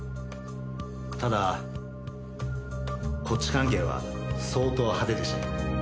ただこっち関係は相当派手でしたけど。